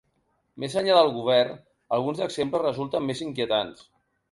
Més enllà del govern, alguns exemples resulten més inquietants.